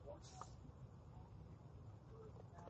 mgbọ egbe dị iri na abụọ